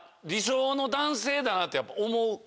理想の男性だなってやっぱ思う？